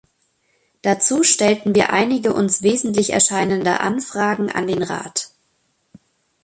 Dazu stellten wir einige uns wesentlich erscheinende Anfragen an den Rat.